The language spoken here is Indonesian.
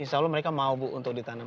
insya allah mereka mau bu untuk ditanam